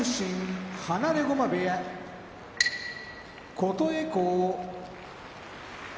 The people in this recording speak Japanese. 琴恵光